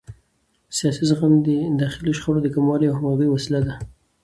سیاسي زغم د داخلي شخړو د کمولو او همغږۍ وسیله ده